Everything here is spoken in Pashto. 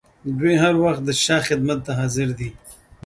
دوی هر وخت د شاه خدمت ته حاضر دي.